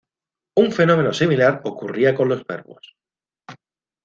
Un fenómeno similar ocurría con los verbos.